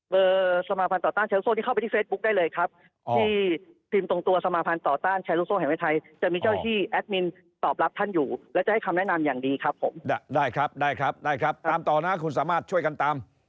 สมาภัณฑ์ต่อต้านเชลโซ่ที่เข้าไปที่เฟซบุ๊คได้เลยครับที่พิมพ์ตรงตัวสมาภัณฑ์ต่อต้านแชร์ลูกโซ่แห่งประเทศไทยจะมีเจ้าที่แอดมินตอบรับท่านอยู่และจะให้คำแนะนำอย่างดีครับผมได้ครับได้ครับได้ครับตามต่อนะคุณสามารถช่วยกันตาม